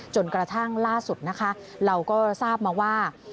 จนกระทั่งล่าสุดนะคะเราก็ทราบมาว่า